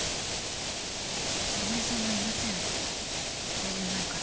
早苗さんはいません５年前から。